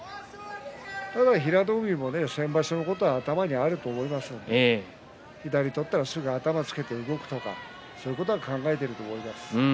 平戸海も先場所のことは頭にあると思いますので左取ったらすぐ頭をつけて動くとかそういうことを考えていると思います。